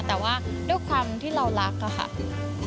แต่ว่าด้วยความที่เรารักอะค่ะ